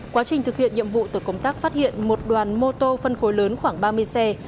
quá trình thực hiện nhiệm vụ tổ công tác phát hiện một đoàn mô tô phân khối lớn khoảng ba mươi xe